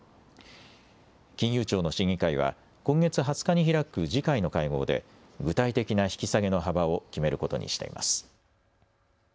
金融庁の審議会は今月２０日に開く次回の会合で具体的な引き下げの幅を決めることにしています。